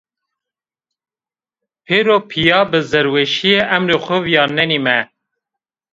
Pêro pîya bi zerrîweşî emrê xo vîyarnenîme